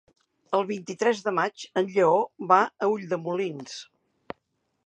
El vint-i-tres de maig en Lleó va a Ulldemolins.